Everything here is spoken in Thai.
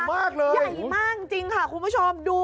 เมย์หน้ามองตรงสุขหนู